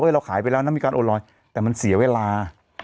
เราขายไปแล้วนะมีการโอนลอยแต่มันเสียเวลา